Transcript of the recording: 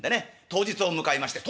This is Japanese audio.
当日を迎えまして。